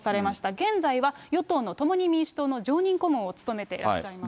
現在は、与党の共に民主党の常任顧問を務めていらっしゃいます。